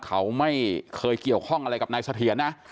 เขาไม่เคยเกี่ยวข้องอะไรกับนายเสถียรนะ